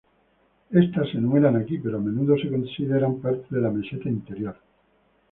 Estas se enumeran aquí, pero a menudo se consideran parte de la meseta Interior.